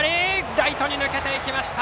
ライトに抜けていきました！